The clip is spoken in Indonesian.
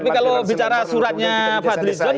tapi kalau bicara suratnya pak dli john